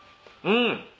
うん！